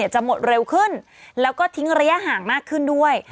จะหมดเร็วขึ้นแล้วก็ทิ้งระยะห่างมากขึ้นด้วย